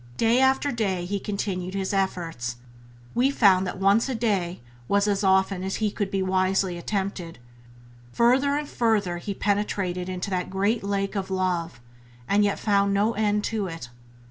Day after day he continued his efforts (we found that once a day was as often as he could be wisely attempted); further and further he penetrated into that great lake of love, and yet found no end to it.